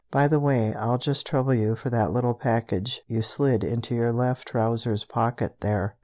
"By the way, I'll just trouble you for that little package you slid into your left trousers pocket there."